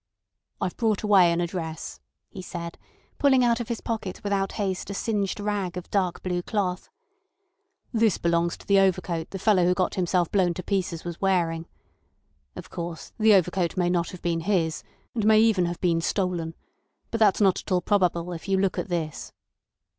"I've brought away an address," he said, pulling out of his pocket without haste a singed rag of dark blue cloth. "This belongs to the overcoat the fellow who got himself blown to pieces was wearing. Of course, the overcoat may not have been his, and may even have been stolen. But that's not at all probable if you look at this."